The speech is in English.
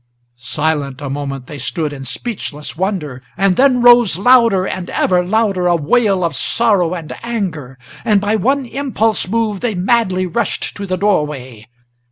Silent a moment they stood in speechless wonder, and then rose Louder and ever louder a wail of sorrow and anger, And, by one impulse moved, they madly rushed to the door way.